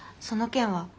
その件は。